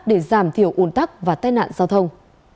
để giảm thiểu ủn tắc và tai nạn giao thông